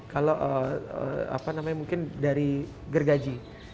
kalau mungkin dari gergaji